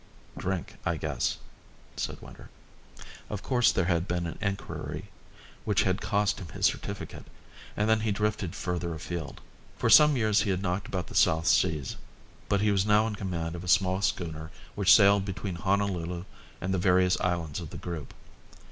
"Drink, I guess," said Winter. Of course there had been an enquiry, which had cost him his certificate, and then he drifted further afield. For some years he had knocked about the South Seas, but he was now in command of a small schooner which sailed between Honolulu and the various islands of the group.